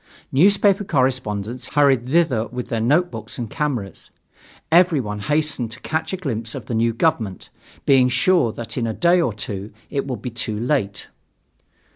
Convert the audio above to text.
Newspaper correspondents hurried thither with their notebooks and cameras. Everyone hastened to catch a glimpse of the new government, being sure that in a day or two it would be too late.